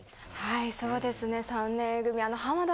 はいそうですね『３年Ａ組』。